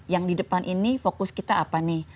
yang di depan ini fokus kita apa nih